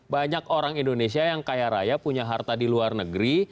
banyak orang indonesia yang kaya raya punya harta di luar negeri